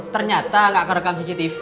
ternyata gak kerekam cctv